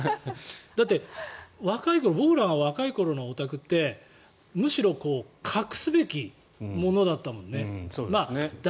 だって僕らが若い頃のオタクってむしろ隠すべきものだったよね。